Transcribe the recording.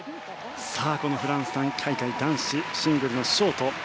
このフランス大会男子シングルのショート